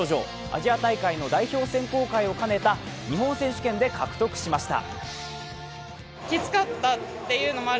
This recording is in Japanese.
アジア大会の代表選考会を兼ねた日本選手権で獲得しました。